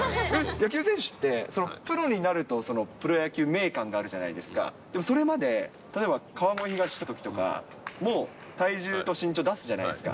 野球選手って、プロになるとそのプロ野球名鑑があるじゃないですか、でもそれまで、例えば川越東いたときとか、体重と身長を出すじゃないですか。